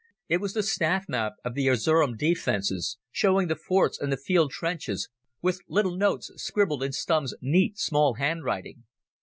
It was the staff map of the Erzerum defences, showing the forts and the field trenches, with little notes scribbled in Stumm's neat small handwriting.